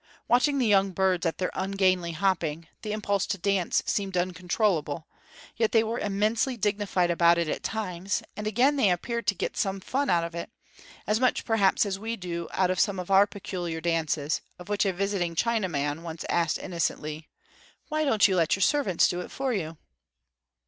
Watching the young birds at their ungainly hopping, the impulse to dance seemed uncontrollable; yet they were immensely dignified about it at times; and again they appeared to get some fun out of it as much, perhaps, as we do out of some of our peculiar dances, of which a visiting Chinaman once asked innocently: "Why don't you let your servants do it for you?"